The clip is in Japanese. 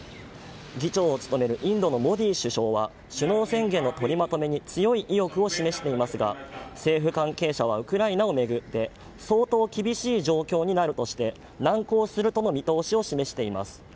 議長を務めるインドのモディ首相は首脳宣言の取りまとめに強い意欲を示していますが政府関係者はウクライナを巡って相当厳しい状況になるとして難航するとの見通しを示しています。